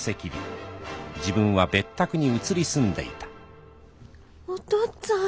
自分は別宅に移り住んでいたお父っつぁん。